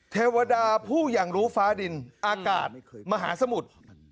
เทวดาผู้อย่างรู้ฟ้าดินอากาศมหาสมุทร